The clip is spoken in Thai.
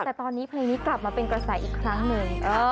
แต่ตอนนี้เพลงนี้กลับมาเป็นกระแสอีกครั้งหนึ่ง